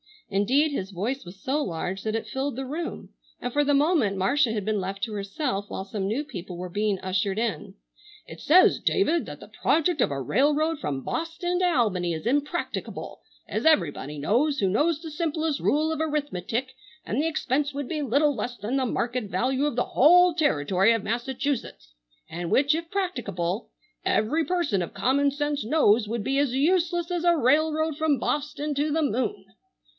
Indeed his voice was so large that it filled the room, and for the moment Marcia had been left to herself while some new people were being ushered in. "It says, David, that 'the project of a railroad from Bawston to Albany is impracticable as everybody knows who knows the simplest rule of arithmetic, and the expense would be little less than the market value of the whole territory of Massachusetts; and which, if practicable, every person of common sense knows would be as useless as a railroad from Bawston to the moon.